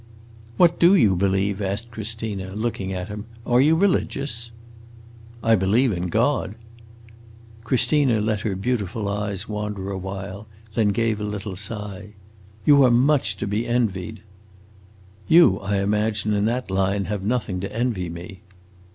"What do you believe?" asked Christina, looking at him. "Are you religious?" "I believe in God." Christina let her beautiful eyes wander a while, and then gave a little sigh. "You are much to be envied!" "You, I imagine, in that line have nothing to envy me."